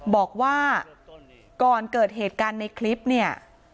บอกว่าก่อนเกิดเหตุการณ์ในคลิปเนี่ย